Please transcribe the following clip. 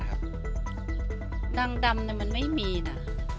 หนังดำนั่นมันไม่มีน่ะ